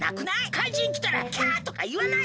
かいじんきたら「キャ！」とかいわない？